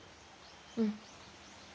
うん。